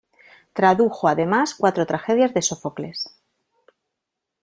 Tradujo además cuatro tragedias de Sófocles.